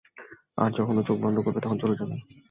আর যখন ও চোখ বন্ধ করবে, তখন চলে যাবে।